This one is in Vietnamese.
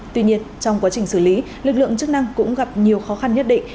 tuy nhiên trong quá trình xử lý lực lượng chức năng cũng gặp nhiều khó khăn nhất định